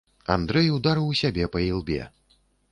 Андрэй ударыў сябе па ілбе.